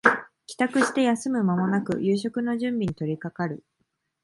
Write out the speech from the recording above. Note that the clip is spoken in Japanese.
帰宅して休む間もなく夕食の準備に取りかかる